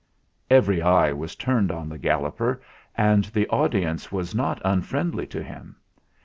Every eye was turned on the Galloper, and the audience was not unfriendly to him.